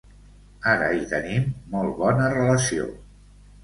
Ara hi tenim molt bona relació.